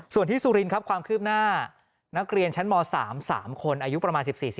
ส่วนที่สุรินครับความคืบหน้านักเรียนชั้นม๓๓คนอายุประมาณ๑๔๔